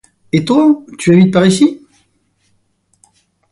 Et toi, tu habites par ici?